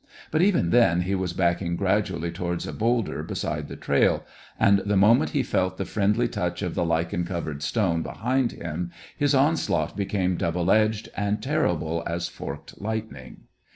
But even then he was backing gradually towards a boulder beside the trail, and the moment he felt the friendly touch of the lichen covered stone behind him his onslaught became double edged and terrible as forked lightning.